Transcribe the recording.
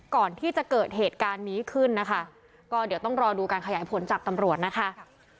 ก่อนที่จะเกิดเหตุการณ์นี้ขึ้นนะคะก็เดี๋ยวต้องรอดูการขยายผลจากตำรวจนะคะ